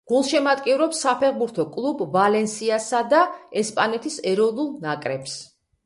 გულშემატკივრობს საფეხბურთო კლუბ „ვალენსიასა“ და ესპანეთის ეროვნულ ნაკრებს.